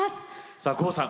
さあ郷さん